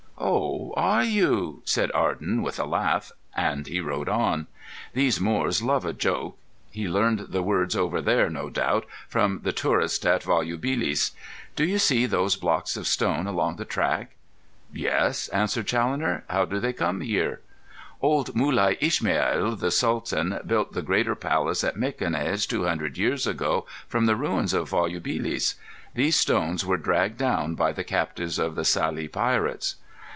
"Oh! are you?" said Arden, with a laugh; and he rode on. "These Moors love a joke. He learned the words over there, no doubt, from the tourists at Volubilis. Do you see those blocks of stone along the track?" "Yes," answered Challoner. "How do they come there?" "Old Mulai Ismail, the sultan, built the great palace at Mequinez two hundred years ago from the ruins of Volubilis. These stones were dragged down by the captives of the Salee pirates."